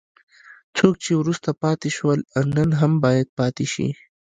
څوک چې وروسته پاتې شول نن هم باید پاتې شي.